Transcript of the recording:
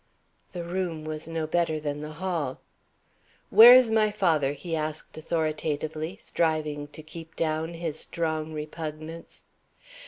The room was no better than the hall. "Where is my father?" he asked, authoritatively, striving to keep down his strong repugnance.